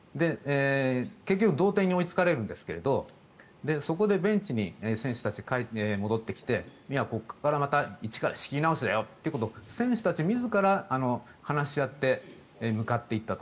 結局同点に追いつかれるんですがそこにベンチに選手たち戻ってきてここからまた一から仕切り直しだよと選手たち自ら話し合って向かっていったと。